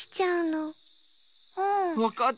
わかった。